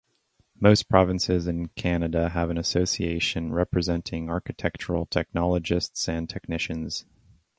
Most provinces in Canada have an association representing architectural technologists and technicians.